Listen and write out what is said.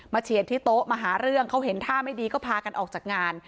เฉียดที่โต๊ะมาหาเรื่องเขาเห็นท่าไม่ดีก็พากันออกจากงาน